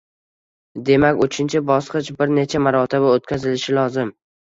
Demak, uchinchi bosqich bir necha marotaba o‘tkazilishi lozim.